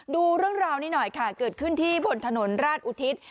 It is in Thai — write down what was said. ดูเรื่องราวนี้หน่อยค่ะเกิดขึ้นที่บนถนนราชอุทิศ